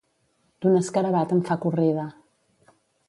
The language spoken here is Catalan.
D'un escarabat en fa corrida.